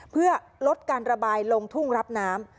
เพื่อลดการระบายลงทุ่งรับน้ำ